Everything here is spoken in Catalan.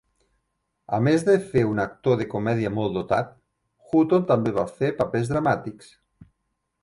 A més de fer un actor de comèdia molt dotat, Hutton també va fer papers dramàtics.